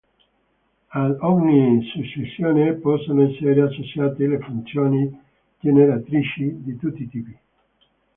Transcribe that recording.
Ad ogni successione possono essere associate le funzioni generatrici di tutti i tipi.